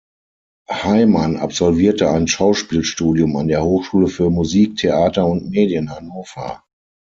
Heimann absolvierte ein Schauspielstudium an der Hochschule für Musik, Theater und Medien Hannover.